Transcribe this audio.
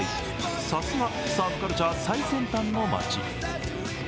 さすがサーフカルチャー最先端の町。